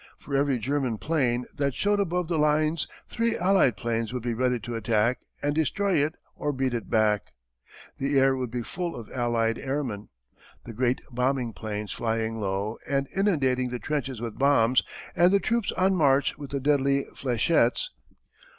For every German plane that showed above the lines three Allied planes would be ready to attack and destroy it or beat it back. The air would be full of Allied airmen the great bombing planes flying low and inundating the trenches with bombs, and the troops on march with the deadly fléchettes.